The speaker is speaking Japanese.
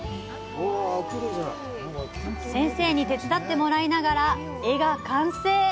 先生に手伝ってもらいながら、絵が完成。